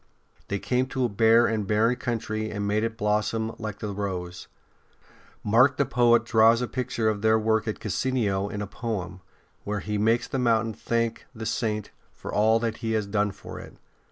They came to a bare and barren country and made it blossom like the rose. Mark the poet draws a picture of their work at Cassino in a poem, where he makes the mountain thank the Saint for all that he has done for it.